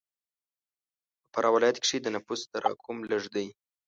په فراه ولایت کښې د نفوس تراکم لږ دی.